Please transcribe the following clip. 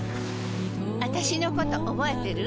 あたしのこと覚えてる？